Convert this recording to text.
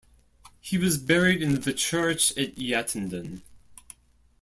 He was buried in the church at Yattendon.